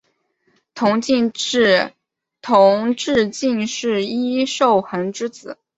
同治进士尹寿衡之子。